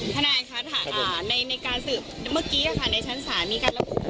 คะในการสึก